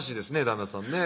旦那さんね